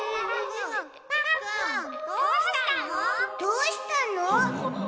どうしたの？